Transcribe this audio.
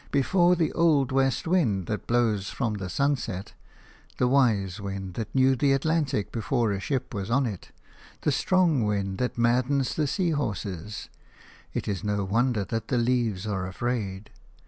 Before the old west wind that blows from the sunset, the wise wind that knew the Atlantic before a ship was on it, the strong wind that maddens the sea horses, it is no wonder that the leaves are afraid.